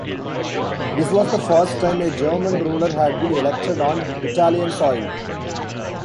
This was the first time a German ruler had been elected on Italian soil.